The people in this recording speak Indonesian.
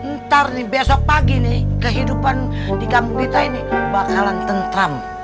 ntar nih besok pagi nih kehidupan di kampung kita ini bakalan tentram